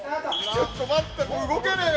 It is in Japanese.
ちょっと待ったこれ動けねえよ。